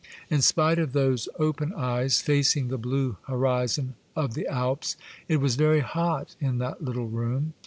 In spite of those open eyes facing the blue horizon of the Alps, it was very hot in that little room.